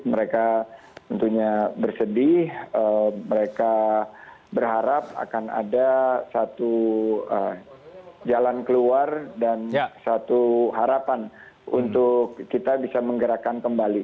mereka tentunya bersedih mereka berharap akan ada satu jalan keluar dan satu harapan untuk kita bisa menggerakkan kembali